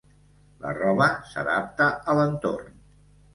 La roba s'adapta a l'entorn.